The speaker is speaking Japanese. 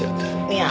いや！